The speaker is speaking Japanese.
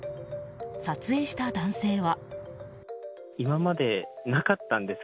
撮影した男性は。